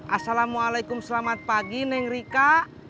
assalamualaikum selamat pagi nengrika